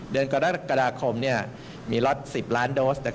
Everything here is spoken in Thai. เดือนกรกฎาคมมีล็อต๑๐ล้านโดส